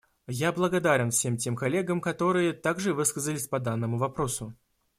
Я благодарен всем тем коллегам, которые также высказались по данному вопросу.